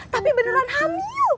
tapi beneran hamil